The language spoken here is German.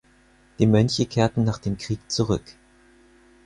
Die Mönche kehrten nach dem Krieg zurück.